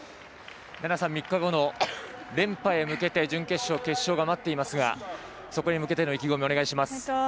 菜那さん、３日後の連覇へ向け準決勝、決勝が待っていますがそこへ向けての意気込み、お願いします。